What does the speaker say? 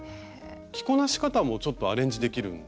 着こなし方もちょっとアレンジできるんですよね。